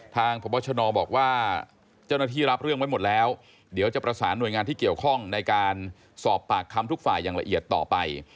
ทางพบชนบอกว่าเจ้าหน้าที่รับเรื่องไว้หมดแล้วเดี๋ยวจะประสานหน่วยงานที่เกี่ยวข้องในการสอบปากคำทุกฝ่ายอย่างละเอียดต่อไป